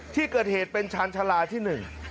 ที่เกิดเหตุเป็นชาญชาลาที่หนึ่ง